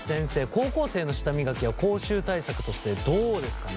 高校生の舌磨きは口臭対策としてどうですかね？